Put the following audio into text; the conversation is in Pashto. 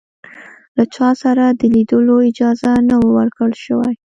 له چا سره د لیدلو اجازه نه وه ورکړل شوې.